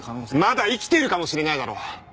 まだ生きてるかもしれないだろ！